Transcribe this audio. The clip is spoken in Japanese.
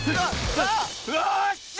よっしゃ！